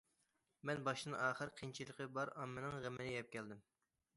مەن باشتىن- ئاخىر قىيىنچىلىقى بار ئاممىنىڭ غېمىنى يەپ كەلدىم.